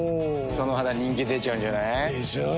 その肌人気出ちゃうんじゃない？でしょう。